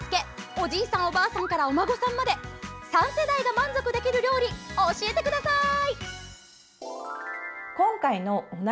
おじいさん、おばあさんからお孫さんまで３世代が満足できる料理教えてください。